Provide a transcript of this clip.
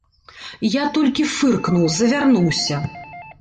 Я толькі фыркнуў, завярнуўся.